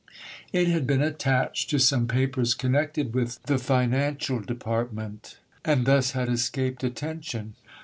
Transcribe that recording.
It had been attached to some papers connected with the Financial Department and thus had escaped attention.